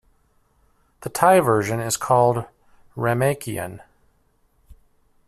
The Thai version is called Ramakien.